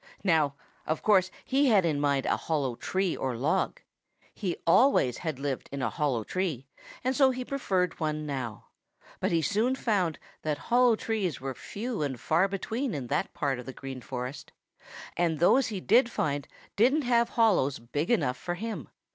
Now, of course, he had in mind a hollow tree or log. He always had lived in a hollow tree, and so he preferred one now. But he soon found that hollow trees were few and far between in that part of the Green Forest, and those he did find didn't have hollows big enough for him.